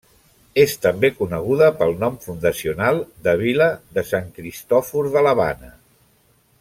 És també coneguda pel nom fundacional de Vila de Sant Cristòfor de l'Havana.